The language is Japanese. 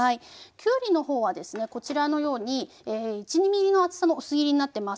きゅうりの方はですねこちらのように１２ｍｍの厚さの薄切りになってます。